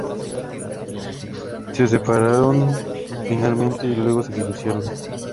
Se separaron finalmente y luego se divorciaron.